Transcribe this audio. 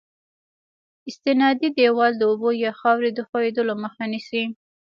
استنادي دیوال د اوبو یا خاورې د ښوېدلو مخه نیسي